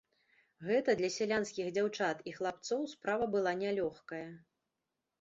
Гэта для сялянскіх дзяўчат і хлапцоў справа была нялёгкая.